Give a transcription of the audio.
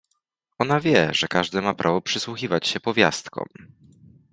Ona wie, że każdy ma prawo przysłuchiwać się powiastkom.